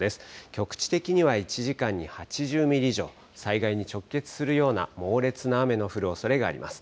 局地的には１時間に８０ミリ以上、災害に直結するような猛烈な雨の降るおそれがあります。